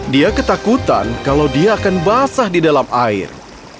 dia ketakutan kalau dia akan basah di dalam air